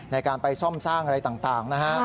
ในการไปซ่อมสร้างอะไรต่างนะฮะ